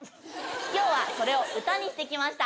今日はそれを歌にしてきました。